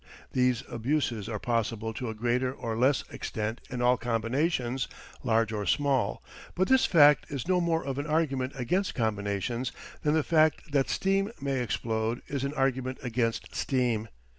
These abuses are possible to a greater or less extent in all combinations, large or small, but this fact is no more of an argument against combinations than the fact that steam may explode is an argument against steam.